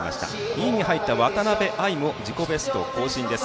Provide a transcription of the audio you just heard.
２位に入った渡辺愛も自己ベスト更新です。